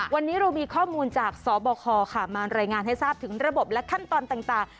วันนี้เรามีข้อมูลจากสบคค่ะมารายงานให้ทราบถึงระบบและขั้นตอนต่าง